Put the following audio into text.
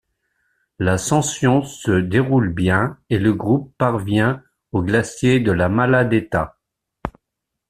L’ascension se déroule bien et le groupe parvient au glacier de la Maladeta.